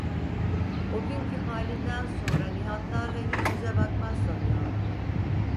O günkü halinden sonra Nihatlarla yüz yüze bakmaz sanıyordum…